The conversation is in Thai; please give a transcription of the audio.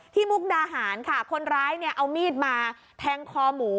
มุกดาหารค่ะคนร้ายเนี่ยเอามีดมาแทงคอหมู